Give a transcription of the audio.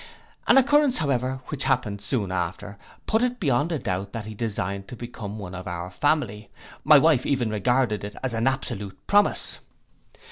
An occurrence, however, which happened soon after, put it beyond a doubt that he designed to become one of our family, my wife even regarded it as an absolute promise.